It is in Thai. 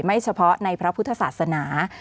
เฉพาะในพระพุทธศาสนา